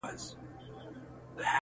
هڅه د انسان د ارادې څرګندونه کوي.